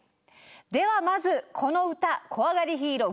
ではまずこの歌「こわがりヒーロー」